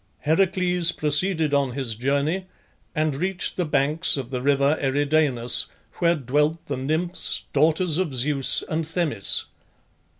Heracles proceeded on his journey, and reached the banks of the river Eridanus, where dwelt the Nymphs, daughters of Zeus and Themis.